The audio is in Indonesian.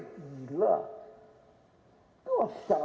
itu selalu saya tanya